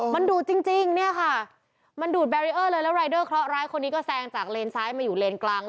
มันดูดจริงเนี่ยค่ะมันดูดแบรีเออร์เลยแล้วรายเดอร์เคราะหร้ายคนนี้ก็แซงจากเลนซ้ายมาอยู่เลนกลาง